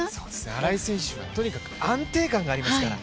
荒井選手はとにかく安定感がありますから。